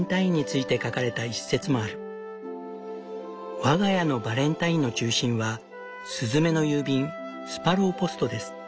「我が家のバレンタインの中心はスズメの郵便スパローポストです。